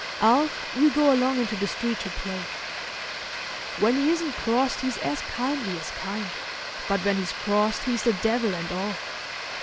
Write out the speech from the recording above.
"Alf, you go along into the street to play. When he isn't crossed he's as kindly as kind, but when he's crossed he's the devil and all.